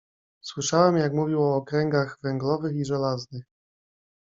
"Słyszałem jak mówił o okręgach węglowych i żelaznych."